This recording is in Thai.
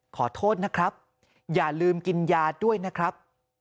ขอโทษนะครับอย่าลืมกินยาด้วยนะครับ